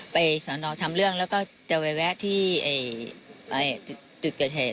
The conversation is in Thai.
สอนอทำเรื่องแล้วก็จะไปแวะที่จุดเกิดเหตุ